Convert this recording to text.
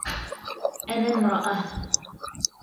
أنا امرأة.